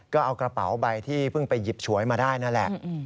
ก็เอากระเป๋าใบที่เพิ่งไปหยิบฉวยมาได้นั่นแหละ